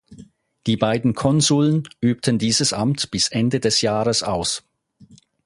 Die beiden Konsuln übten dieses Amt bis Ende des Jahres aus.